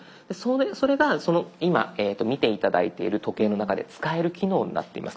それが今見て頂いている時計の中で使える機能になっています。